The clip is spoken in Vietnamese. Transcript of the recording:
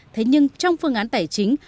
thế nhưng trong phương án tài chính